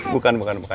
bukan bukan bukan